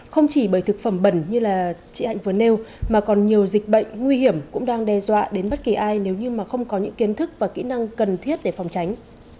không chỉ bởi thực phẩm bẩn như là chị hạnh vừa nêu mà còn nhiều dịch bệnh nguy hiểm cũng đang đe dọa đến bất kỳ ai nếu như mà không có những kiến thức và kỹ năng cần thiết để phòng tránh